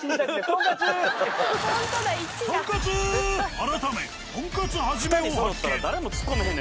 改め「とんかつ一」を発見。